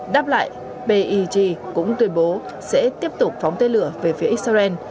đáp lại peg cũng tuyên bố sẽ tiếp tục phóng tên lửa về phía israel